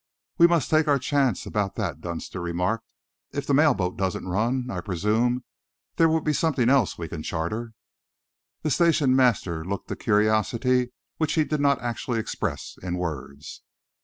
"We must take our chance about that," Dunster remarked. "If the mail boat doesn't run, I presume there will be something else we can charter." The station master looked the curiosity which he did not actually express in words.